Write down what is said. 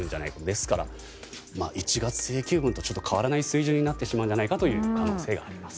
ですから、１月請求分と変わらない水準になってしまうんじゃないかという可能性があります。